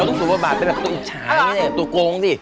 เราเจอกันนะ